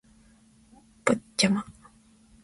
ポッチャマ